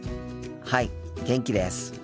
はい元気です。